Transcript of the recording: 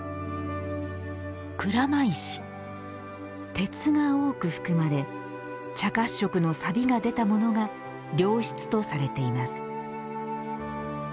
鉄が多く含まれ茶褐色のサビが出たものが良質とされています。